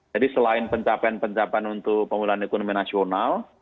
selain pencapaian pencapaian untuk pemulihan ekonomi nasional